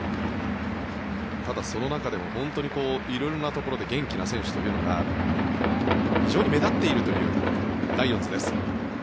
ただその中でも色々なところで元気な選手というのが非常に目立っているというライオンズです。